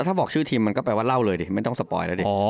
ถ้าบอกชื่อทีมมันก็แปลว่าเล่าเลยดิไม่ต้องสปอยแล้วดิ